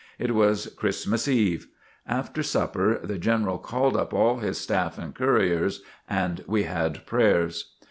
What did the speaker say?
It was Christmas eve. After supper the General called up all his staff and couriers and we had prayers.